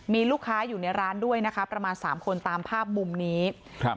มีลูกค้าอยู่ในร้านด้วยนะคะประมาณสามคนตามภาพมุมนี้ครับ